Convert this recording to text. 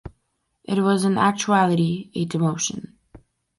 It was in actuality a demotion.